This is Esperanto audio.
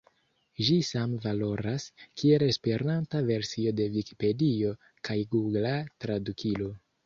Ĝi same valoras, kiel Esperanta versio de Vikipedio kaj Gugla Tradukilo.